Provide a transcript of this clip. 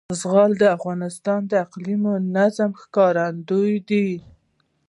زغال د افغانستان د اقلیمي نظام ښکارندوی ده.